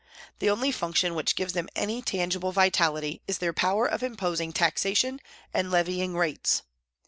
The only function which gives them any tangible vitality is their power of imposing taxation and levying rates.